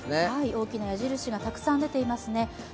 大きな矢印がたくさん出ていますね。